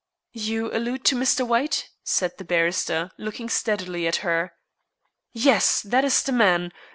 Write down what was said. "You allude to Mr. White?" said the barrister, looking steadily at her. "Yes, that is the man.